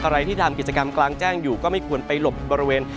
ใครที่ทำกิจกรรมกลางแจ้งอยู่ก็ไม่ควรไปหลบบริเวณ